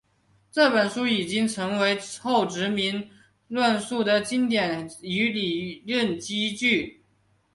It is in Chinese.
这本书已经成为后殖民论述的经典与理论依据。